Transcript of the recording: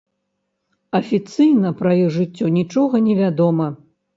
Афіцыйна пра іх жыццё нічога невядома.